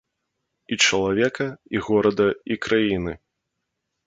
І чалавека, і горада, і краіны.